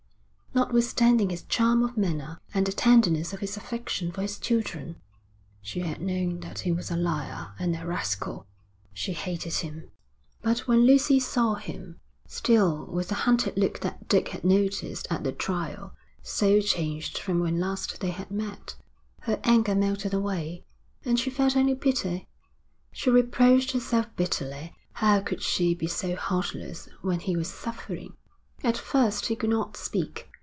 Notwithstanding his charm of manner and the tenderness of his affection for his children, she had known that he was a liar and a rascal. She hated him. But when Lucy saw him, still with the hunted look that Dick had noticed at the trial, so changed from when last they had met, her anger melted away, and she felt only pity. She reproached herself bitterly. How could she be so heartless when he was suffering? At first he could not speak.